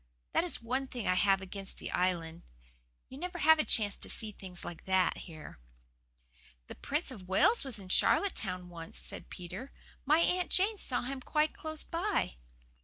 That is one thing I have against the Island you never have a chance to see things like that here." "The Prince of Wales was in Charlottetown once," said Peter. "My Aunt Jane saw him quite close by."